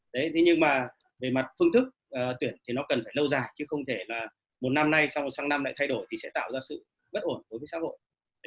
đấy thế nhưng mà về mặt phương thức tuyển thì nó cần phải lâu dài chứ không thể là một năm nay xong rồi sang năm lại thay đổi thì sẽ tạo ra sự bất ổn đối với xã hội